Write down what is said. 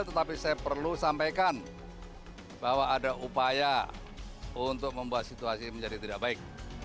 tetapi saya perlu sampaikan bahwa ada upaya untuk membuat situasi menjadi tidak baik